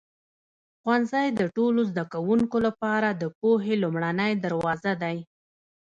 ښوونځی د ټولو زده کوونکو لپاره د پوهې لومړنی دروازه دی.